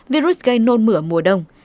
virus gây nôn mửa mùa đông